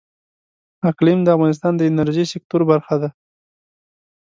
اقلیم د افغانستان د انرژۍ سکتور برخه ده.